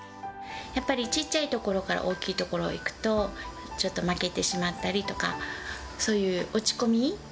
やっぱりちっちゃい所から大きい所へ行くと、ちょっと負けてしまったりとか、そういう落ち込み？